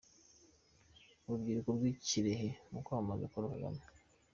Urubyiruko rw'i Kirehe mu kwamamaza Paul Kagame.